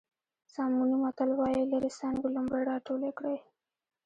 ساموني متل وایي لرې څانګې لومړی راټولې کړئ.